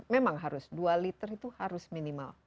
memang harus dua liter itu harus minimal